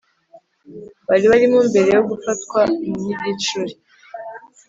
bari barimo mbere yo gufatwa n igicuri